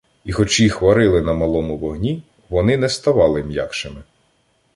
І хоч їх варили на малому вогні, вони не ставали м'якшими.